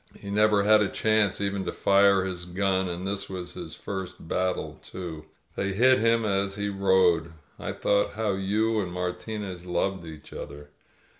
He never had a chance even to fire his gun — and this was his first battle, too. They hit him as he rode. ••• I thought how you and Martinez loved each other.